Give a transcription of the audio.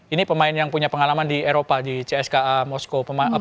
ini pemain yang punya pengalaman di eropa di cska moskow